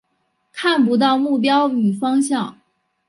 看不到目标与方向